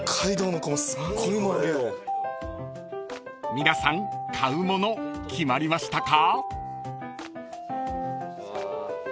［皆さん買うもの決まりましたか？］